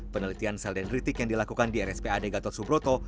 penelitian sel dendritik yang dilakukan di rspad gatot subroto